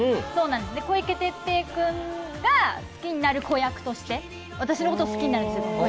小池徹平君が好きになる子役として私のことを好きになるんですよ。